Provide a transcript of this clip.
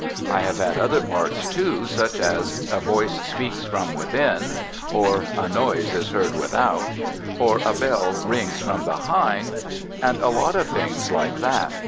I have had other parts too, such as "A Voice Speaks From Within," or "A Noise Is Heard Without," or a "Bell Rings From Behind," and a lot of things like that.